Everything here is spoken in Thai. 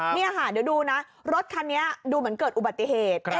นี่ค่ะเดี๋ยวดูนะรถคันนี้ดูเหมือนเกิดอุบัติเหตุ